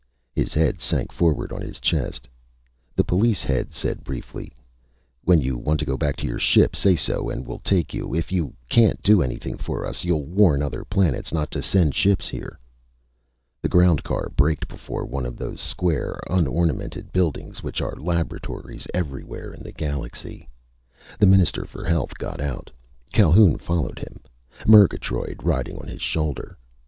His head sank forward on his chest. The police head said briefly: "When you want to go back to your ship, say so and we'll take you. If you can't do anything for us, you'll warn other planets not to send ships here." The ground car braked before one of those square, unornamented buildings which are laboratories everywhere in the galaxy. The Minister for Health got out. Calhoun followed him, Murgatroyd riding on his shoulder.